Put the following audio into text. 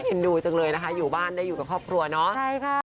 ดูจังเลยนะคะอยู่บ้านได้อยู่กับครอบครัวเนาะใช่ค่ะ